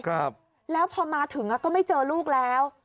ครับแล้วพอมาถึงอ่ะก็ไม่เจอลูกแล้ว